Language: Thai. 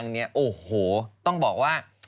เออจริงนะ